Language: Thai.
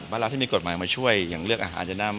เราที่มีกฎหมายมาช่วยอย่างเลือกอาหารจะนำ